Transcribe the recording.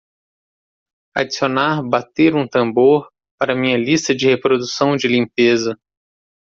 adicionar bater um tambor para minha lista de reprodução de limpeza